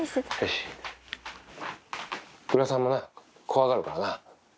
グラサンもな、怖がるからな。